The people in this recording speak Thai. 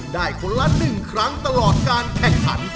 ได้คนละหนึ่งครั้งตลอดการแข่งขัน